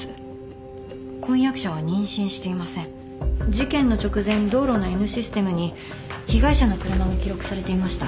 事件の直前道路のＮシステムに被害者の車が記録されていました。